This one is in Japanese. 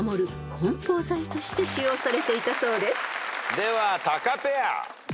ではタカペア。